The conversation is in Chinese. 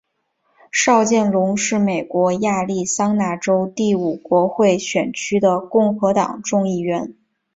邵建隆是美国亚利桑那州第五国会选区的共和党众议员。